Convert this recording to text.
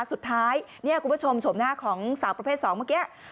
สุดท้ายเนี่ยคุณผู้ชมชมหน้าของสาวประเภท๒เมื่อกี้